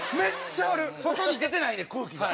外に出てないねん空気が。